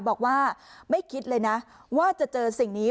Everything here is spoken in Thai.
บอกว่าไม่คิดเลยนะว่าจะเจอสิ่งนี้